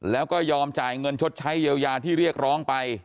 แล้วก็ยอมจ่ายเงินชดใช้เยียวยาที่เรียกร้องไป